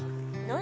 「何？